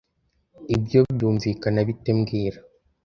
Ibyo byumvikana bite mbwira